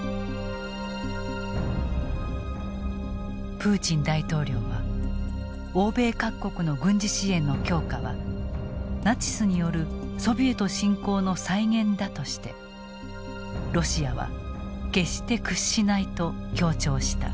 プーチン大統領は欧米各国の軍事支援の強化はナチスによるソビエト侵攻の再現だとしてロシアは決して屈しないと強調した。